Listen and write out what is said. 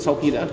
sau khi đã